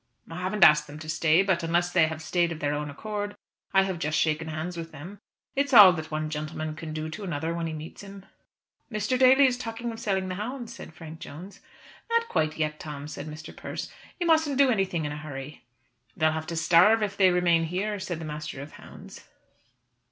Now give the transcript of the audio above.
"I haven't asked them to stay; but unless they have stayed of their own accord I have just shaken hands with them. It's all that one gentleman can do to another when he meets him." "Mr. Daly is talking of selling the hounds," said Frank Jones. "Not quite yet, Tom," said Mr. Persse. "You mustn't do anything in a hurry." "They'll have to starve if they remain here," said the master of hounds.